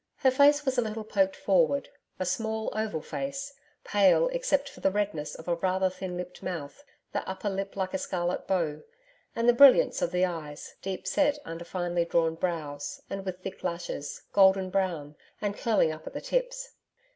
Her face was a little poked forward a small oval face, pale except for the redness of a rather thin lipped mouth the upper lip like a scarlet bow and the brilliance of the eyes, deep set under finely drawn brows and with thick lashes, golden brown, and curling up at the tips.